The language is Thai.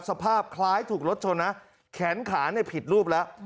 สภาพคล้ายถูกรถชนนะแขนขาเนี่ยผิดรูปแล้ว